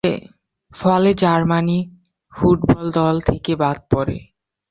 ফলে Germany football দল থেকে বাদ পড়ে।